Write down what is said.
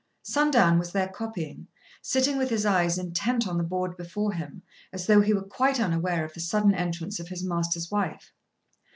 Sundown was there copying, sitting with his eyes intent on the board before him as though he were quite unaware of the sudden entrance of his master's wife.